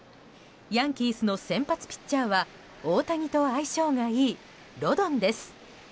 ヤンキースの先発ピッチャーは大谷と相性がいいロドンです。